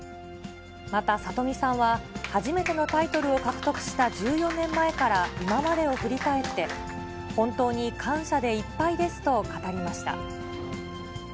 また里見さんは、初めてのタイトルを獲得した１４年前から今までを振り返って、本当に感謝でいっぱいですと語りました。